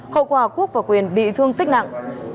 hậu quả quốc và quyền bị thương tích nặng